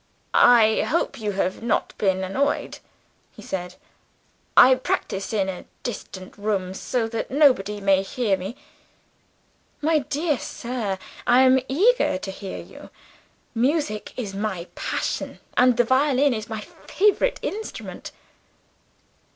"I hope you have not been annoyed," he said; "I practice in a distant room so that nobody may hear me." "My dear sir, I am eager to hear you! Music is my passion; and the violin is my favorite instrument."